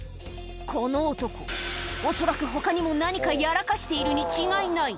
この男、恐らくほかにも何かやらかしているに違いない。